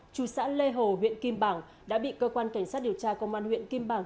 chú xã lê hồ huyện kim bảng đã bị cơ quan cảnh sát điều tra công an huyện kim bảng